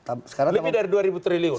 lebih dari dua triliun